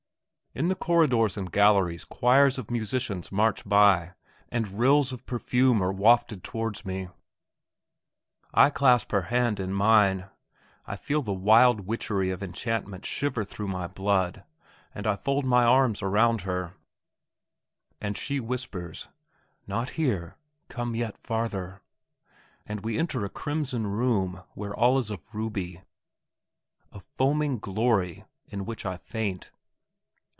In the corridors and galleries choirs of musicians march by, and rills of perfume are wafted towards me. I clasp her hand in mine; I feel the wild witchery of enchantment shiver through my blood, and I fold my arms around her, and she whispers, "Not here; come yet farther!" and we enter a crimson room, where all is of ruby, a foaming glory, in which I faint.